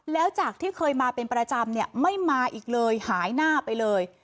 แล้วจากที่เคยมาเป็นประจำเนี่ยไม่มาอีกเลยหายหน้าไปเลย